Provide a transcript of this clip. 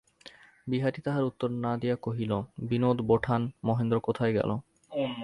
বিহারী তাহার উত্তর না দিয়া কহিল, বিনোদ-বোঠান, মহেন্দ্র কোথায় গেল।